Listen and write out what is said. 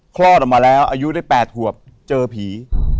คลอดออกมาแล้วอายุได้๘ขวบเจอผี